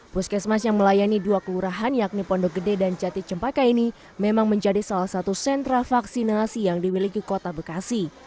puskesmas yang melayani dua kelurahan yakni pondok gede dan jati cempaka ini memang menjadi salah satu sentra vaksinasi yang dimiliki kota bekasi